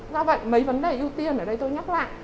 do vậy mấy vấn đề ưu tiên ở đây tôi nhắc lại